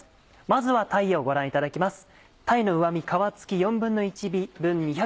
まずは鯛をご覧いただきます。